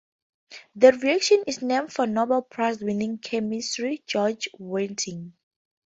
The reaction is named for Nobel Prize winning chemist Georg Wittig.